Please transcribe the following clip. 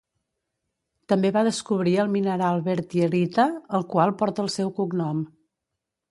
També va descobrir el mineral Berthierita, el qual porta el seu cognom.